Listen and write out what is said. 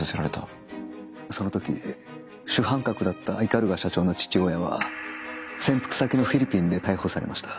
その時主犯格だった鵤社長の父親は潜伏先のフィリピンで逮捕されました。